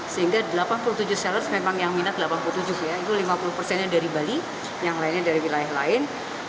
sehingga delapan puluh tujuh seller memang yang minat delapan puluh tujuh ya itu lima puluh persennya dari bali yang lainnya dari wilayah lain